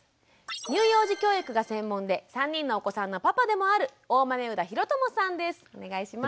乳幼児教育が専門で３人のお子さんのパパでもある大豆生田啓友さんです。